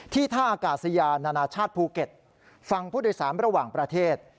ท่าอากาศยานานาชาติภูเก็ตฟังผู้โดยสารระหว่างประเทศ